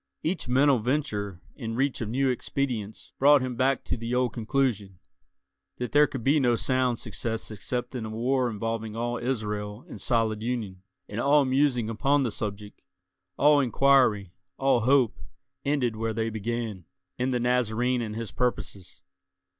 Each mental venture in reach of new expedients brought him back to the old conclusion—that there could be no sound success except in a war involving all Israel in solid union; and all musing upon the subject, all inquiry, all hope, ended where they began—in the Nazarene and his purposes.